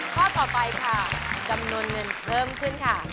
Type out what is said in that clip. ข้อต่อไปค่ะจำนวนเงินเพิ่มขึ้นค่ะ